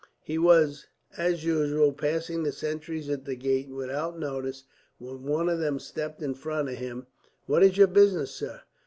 He was, as usual, passing the sentries at the gate without notice, when one of them stepped in front of him. "What is your business, sir?"